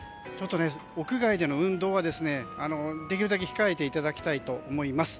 屋外での運動はできるだけ控えていただきたいと思います。